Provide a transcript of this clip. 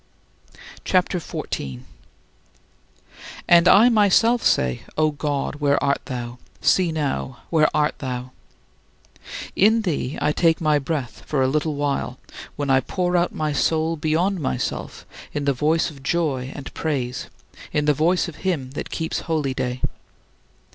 '" CHAPTER XIV 15. And I myself say: "O my God, where art thou? See now, where art thou?" In thee I take my breath for a little while, when I pour out my soul beyond myself in the voice of joy and praise, in the voice of him that keeps holyday.